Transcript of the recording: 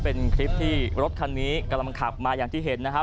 เป็นคลิปที่รถคันนี้กำลังขับมาอย่างที่เห็นนะครับ